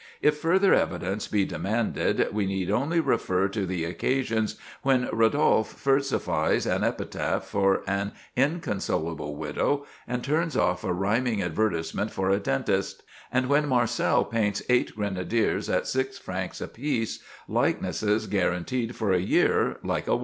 If further evidence be demanded, we need only refer to the occasions when Rodolphe versifies an epitaph for an inconsolable widow and turns off a rhyming advertisement for a dentist, and when Marcel paints eight grenadiers at six francs apiece—likenesses guaranteed for a year, like a watch.